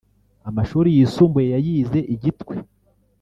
Amashuri yisumbuye yayize i Gitwe